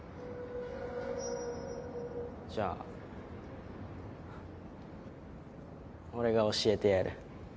じゃあ俺が教えてやる。